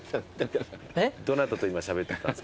どなたと今しゃべってたんですか？